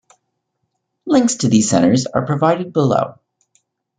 Links to these centres are provided below.